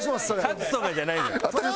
勝つとかじゃないのよ。